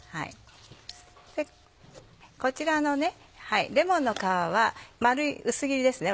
こちらのレモンの皮は丸い薄切りですね